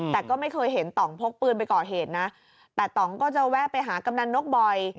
แต่ก็ไม่เคยเห็นต่องพกปืนไปก่อเหตุนะแต่ต่องก็จะแวะไปหากำนันนกบ่อย